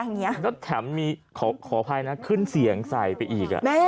อย่างเงี้ยแล้วแถมมีขอขอบภัยนะขึ้นเสียงใส่ไปอีกอ่ะ